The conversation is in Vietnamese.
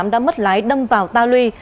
đã mất lái đâm vào ta lui